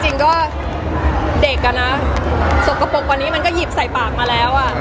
จริงก็เด็กอะนะสกปรกว่านี้มันอย่าปากแล้วอะ